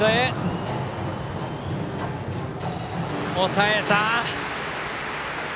抑えた。